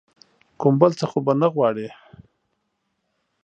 کوم بل څه خو به نه غواړې ؟